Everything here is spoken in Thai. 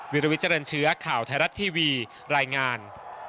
วิลวิเจริญเชื้อข่าวไทยรัฐทีวีรายงาน